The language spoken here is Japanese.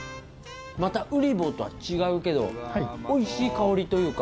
またうり坊とは違うけどおいしい香りというか。